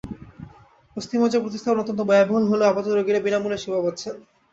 অস্থিমজ্জা প্রতিস্থাপন অত্যন্ত ব্যয়বহুল হলেও আপাতত রোগীরা বিনা মূল্যে সেবা পাচ্ছেন।